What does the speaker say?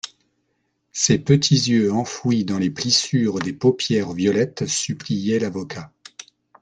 Ses petits yeux enfouis dans les plissures des paupières violettes suppliaient l'avocat.